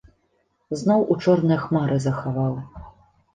Зноў у чорныя хмары захаваў.